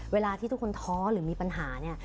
เวลาที่ทุกคนท้อหรือมีปัญหาเนี่ย